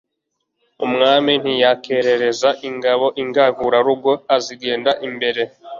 Umwami ntiyakerereza ingaboIngangurarugo azigenda imbere